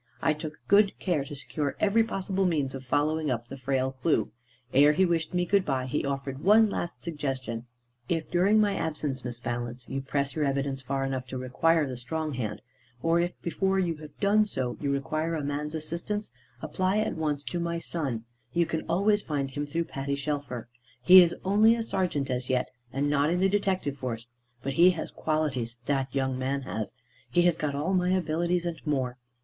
I took good care to secure every possible means of following up the frail clue. Ere he wished me good bye, he offered one last suggestion. "If, during my absence, Miss Valence, you press your evidence far enough to require the strong hand, or if before you have done so you require a man's assistance, apply at once to my son you can always find him through Patty Shelfer. He is only a serjeant as yet, and not in the detective force; but he has qualities, that young man has, he has got all my abilities, and more!